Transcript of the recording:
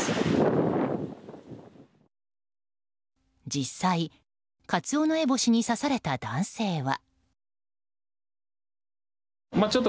実際、カツオノエボシに刺された男性は。